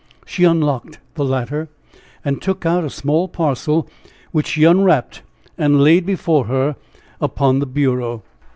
She unlocked the latter, and took out a small parcel, which she unwrapped and laid before her upon the bureau.